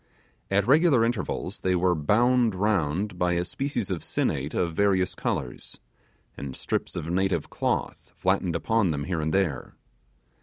At regular intervals they were bound round by a species of sinnate of various colours, and strips of native cloth flattened upon them here and there.